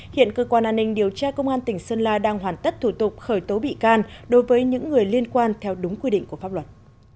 hiện cơ quan an ninh điều tra công an tỉnh sơn la đang hoàn tất thủ tục khởi tố bị can đối với những người liên quan theo đúng quy định của pháp luật